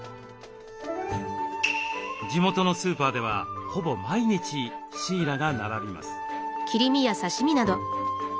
地元のスーパーではほぼ毎日シイラが並びます。